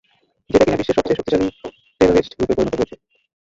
যেটা কিনা বিশ্বের সবচেয়ে শক্তিশালী টেরারেস্ট গ্রুপে পরিণত হয়েছে।